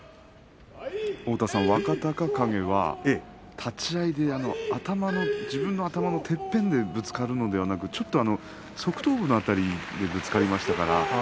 若隆景は立ち合いで自分の頭のてっぺんでぶつかるのではなくちょっと側頭部の辺りでぶつかりましたから。